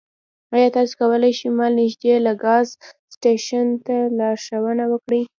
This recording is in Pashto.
ایا تاسو کولی شئ ما ته نږدې د ګاز سټیشن ته لارښوونه وکړئ؟